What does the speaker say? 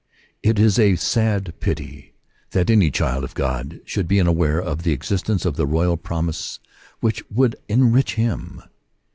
It is a sad pity that any child of God should be unaware of the existence of the royal promise which would enrich him.